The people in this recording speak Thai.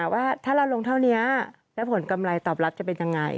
ว่าถ้าเราลงเท่านี้แล้วผลกำไรตอบรับจะเป็นยังไง